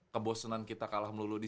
kebosanan kita kalah melulu di